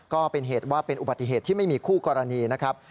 ก็เป็นเหตุว่าเป็นอุบัติเหตุที่ไม่มีคู่กรณีนะครับ